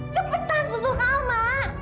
cepetan susu kak alma